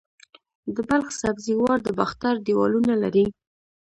د بلخ سبزې وار د باختر دیوالونه لري